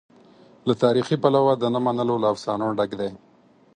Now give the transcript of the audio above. له تاریخي پلوه د نه منلو له افسانو ډک دی.